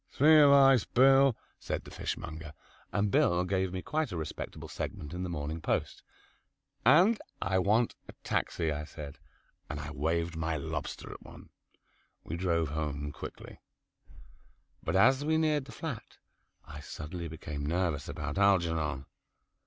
"Three of ice, Bill," said the fishmonger, and Bill gave me quite a respectable segment in "The Morning Post." "And I want a taxi," I said, and I waved my lobster at one. We drove quickly home. But as we neared the flat I suddenly became nervous about Algernon.